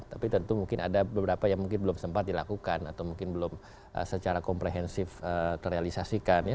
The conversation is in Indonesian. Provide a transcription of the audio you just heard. tapi tentu mungkin ada beberapa yang mungkin belum sempat dilakukan atau mungkin belum secara komprehensif terrealisasikan ya